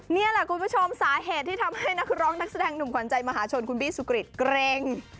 นี่แหละคุณผู้ชมสาเหตุที่ทำให้นักร้องนักแสดงหนุ่มขวัญใจมหาชนคุณบี้สุกริตเกร็ง